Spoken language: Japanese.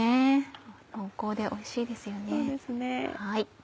濃厚でおいしいですよね。